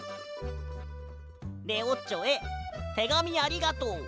「レオッチョへてがみありがとう。